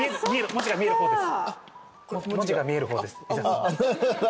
文字が見える方です。